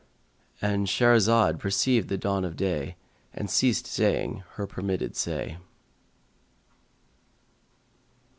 "—And Shahrazad perceived the dawn of day and ceased saying her permitted say.